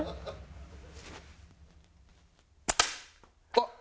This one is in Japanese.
あっ！